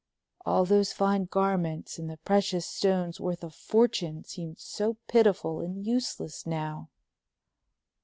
All those fine garments and the precious stones worth a fortune seemed so pitiful and useless now.